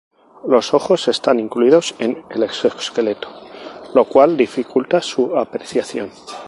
Los ojos están incluidos en el exoesqueleto, lo cual dificulta su apreciación.